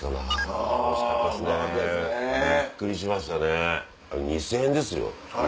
あれ２０００円ですよ。